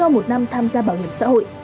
một năm tham gia bảo hiểm xã hội